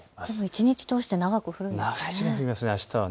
一日通して長く降るんですね。